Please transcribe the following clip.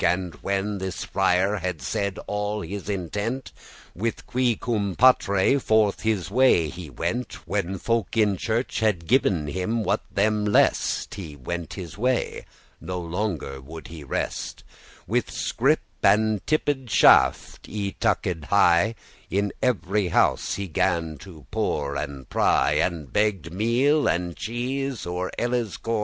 And when this friar had said all his intent, With qui cum patre<4> forth his way he went, When folk in church had giv'n him what them lest;* *pleased He went his way, no longer would he rest, With scrip and tipped staff, *y tucked high:* *with his robe tucked In every house he gan to pore* and pry, up high* *peer And begged meal and cheese, or elles corn.